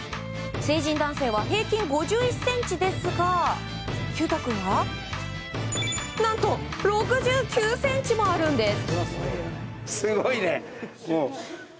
成人男性は平均５１ｃｍですが毬太君は何と６９ｃｍもあるんです。